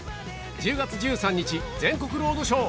１０月１３日全国ロードショー。